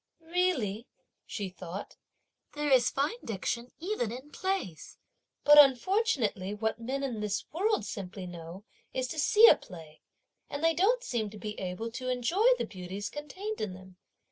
"Really," she thought, "there is fine diction even in plays! but unfortunately what men in this world simply know is to see a play, and they don't seem to be able to enjoy the beauties contained in them."